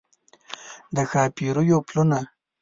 د ښاپیریو پلونه